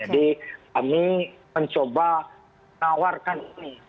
jadi kami mencoba menawarkan ini